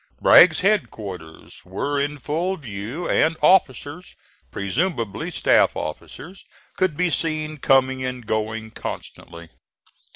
Bragg's headquarters were in full view, and officers presumably staff officers could be seen coming and going constantly.